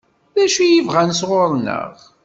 D acu i bɣan sɣur-neɣ?